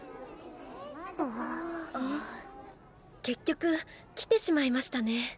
結局来てしまいましたね。